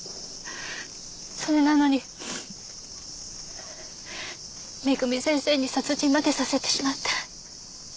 それなのにめぐみ先生に殺人までさせてしまって。